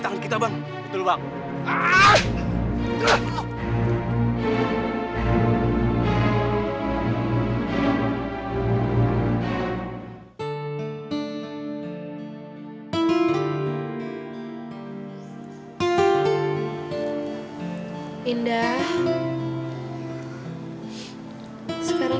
bapak akan temani kalian